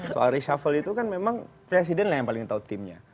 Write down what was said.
soal reshuffle itu kan memang presiden lah yang paling tahu timnya